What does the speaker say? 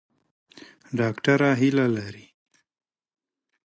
ډاکټره هیله لري.